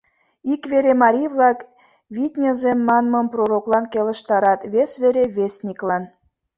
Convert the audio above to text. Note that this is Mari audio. Ик вере марий-влак «витньызе» манмым пророклан келыштарат, вес вере — вестниклан.